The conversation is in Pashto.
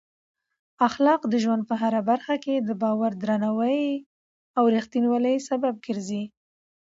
اخلاق د ژوند په هره برخه کې د باور، درناوي او رښتینولۍ سبب ګرځي.